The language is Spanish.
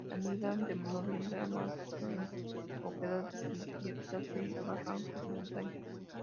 Anida de noviembre a marzo en oquedades y grietas de barrancos de montaña.